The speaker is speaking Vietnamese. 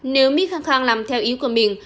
nếu mỹ khăng khăng làm theo ý của mình